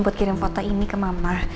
buat kirim foto ini ke mama